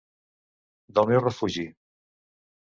Del meu refugi.